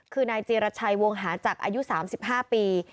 คือนายจีรชัยวงหาจักรอายุ๓๕ปี